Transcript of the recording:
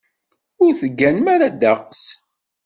Ur tegganem ara ddeqs.